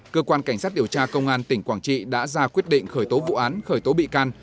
cơ quan cảnh sát điều tra công an tỉnh quảng trị đã ra quyết định khởi tố vụ án khởi tố bị can